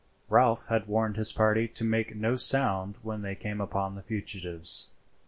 Ralph had warned his party to make no sound when they came upon the fugitives.